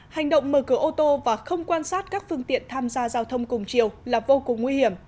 hành động mở cửa ô tô và không quan sát các phương tiện tham gia giao thông cùng chiều là vô cùng nguy hiểm